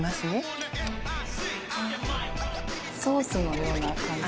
ソースのような感じ。